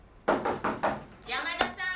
山田さん！